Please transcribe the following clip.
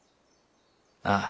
ああ。